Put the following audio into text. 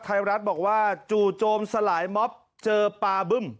ไทยรัฐบอกว่าจู่โจมสลายม็อบเจอปลาบึ้ม